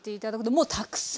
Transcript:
もうたくさん。